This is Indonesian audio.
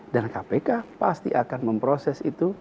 dan kpk pasti akan memproses itu